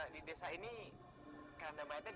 di desa ini kerendamaitan